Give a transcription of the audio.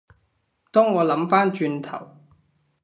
當我諗返轉頭